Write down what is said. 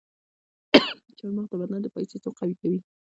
چارمغز د بدن دفاعي سیستم قوي کوي.